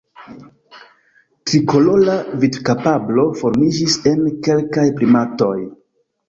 Trikolora vidkapablo formiĝis en kelkaj primatoj.